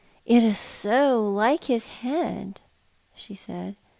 •" It is so like his hand," she said.